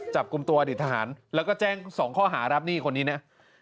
จับกลุ่มตัวอดีตทหารแล้วก็แจ้ง๒ข้อหารับนี่คนนี้นะ